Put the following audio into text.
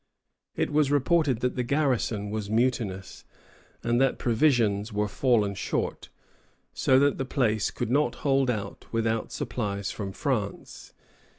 It was reported that the garrison was mutinous, and that provisions were fallen short, so that the place could not hold out without supplies from France.